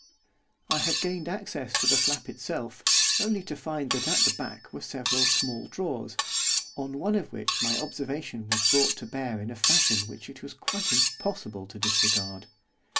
I had gained access to the flap itself only to find that at the back were several small drawers, on one of which my observation was brought to bear in a fashion which it was quite impossible to disregard.